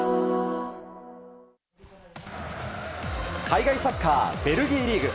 ＪＴ海外サッカー、ベルギーリーグ。